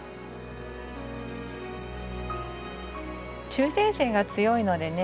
忠誠心が強いのでね